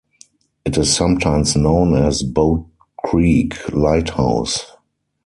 It is sometimes known as Bow Creek Lighthouse.